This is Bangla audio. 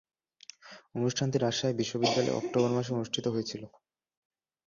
অনুষ্ঠানটি রাজশাহী বিশ্বনিদ্যালয়ে অক্টোবর মাসে অনুষ্ঠিত হয়েছিলো।